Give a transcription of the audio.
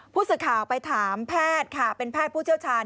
ผู้สื่อข่าวไปถามแพทย์ค่ะเป็นแพทย์ผู้เชี่ยวชาญ